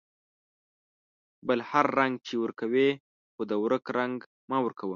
بل هر رنگ چې ورکوې ، خو د ورک رنگ مه ورکوه.